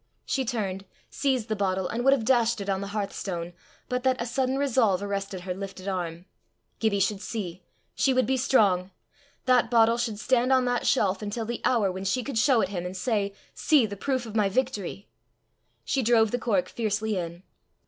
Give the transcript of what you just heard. She turned, seized the bottle, and would have dashed it on the hearthstone, but that a sudden resolve arrested her lifted arm: Gibbie should see! She would be strong! That bottle should stand on that shelf until the hour when she could show it him and say, "See the proof of my victory!" She drove the cork fiercely in.